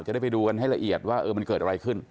ได้ไปดูกันให้ละเอียดว่ามันเกิดอะไรขึ้น